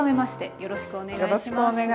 よろしくお願いします。